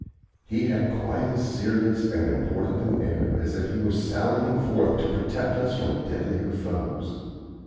He had quite as serious and important an air as if he were sallying forth to protect us from deadlier foes.